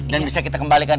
dan bisa kita kembalikan